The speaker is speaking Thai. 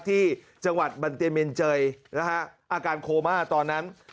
ที่จังหวัดบันเตเมนเจยนะฮะอาการโคม่าตอนนั้น